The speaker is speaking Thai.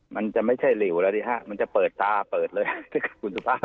มันจะไม่ใช่หลิวแล้วดิฮะมันจะเปิดตาเปิดเลยคุณสุภาพ